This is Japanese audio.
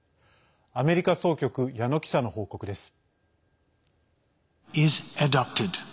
アメリカ総局矢野記者の報告です。